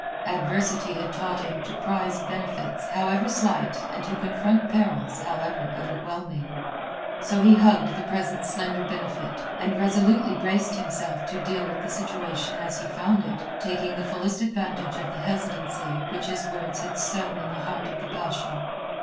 Adversity had taught him to prize benefits however slight and to confront perils however overwhelming. So he hugged the present slender benefit, and resolutely braced himself to deal with the situation as he found it, taking the fullest advantage of the hesitancy which his words had sown in the heart of the Basha.